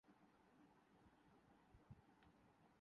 سرگرمی ماخوذ منڈیوں میں ہلکی تھِی بِنا کسی نئے اجراء کی قیمت لگائے